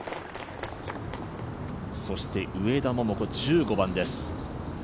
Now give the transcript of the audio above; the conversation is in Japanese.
そして上田桃子１５番です。